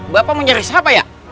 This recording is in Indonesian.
bapak mau nyeri siapa ya